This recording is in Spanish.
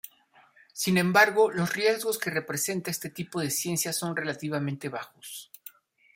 Sin embargo, los riesgos que presenta este tipo de ciencia son relativamente bajos.